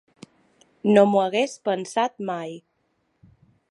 No m’ho hagués pensat mai.